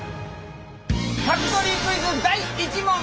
ファクトリークイズ第１問！